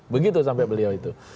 begitu sampai beliau itu